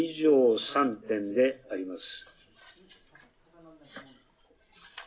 以上３点であります。